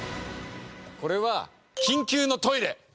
これは緊急のトイレ。